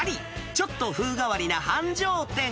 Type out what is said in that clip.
ちょっと風変わりな繁盛店！